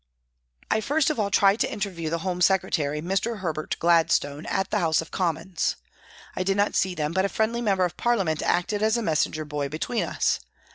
I first of all tried to interview the Home Secretary, Mr. Herbert Gladstone,* at the House of Commons. I did not see him, but a friendly member of Parlia ment acted as messenger boy between us.